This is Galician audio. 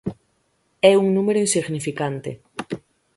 É un número insignificante.